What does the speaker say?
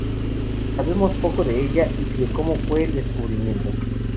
Sabemos poco de ella y de como fue el descubrimiento.